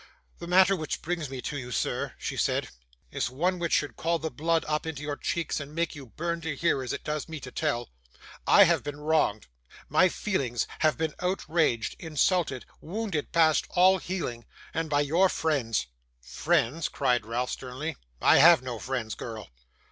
'The matter which brings me to you, sir,' she said, 'is one which should call the blood up into your cheeks, and make you burn to hear, as it does me to tell. I have been wronged; my feelings have been outraged, insulted, wounded past all healing, and by your friends.' 'Friends!' cried Ralph, sternly. 'I have no friends, girl.